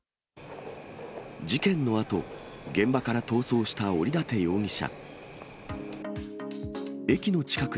事件のあと、現場から逃走した折舘容疑者。